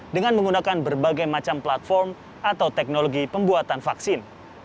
dengan menggunakan berbagai macam platform atau teknologi pembuatan vaksin